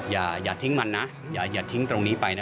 อย่าทิ้งมันนะอย่าทิ้งตรงนี้ไปนะ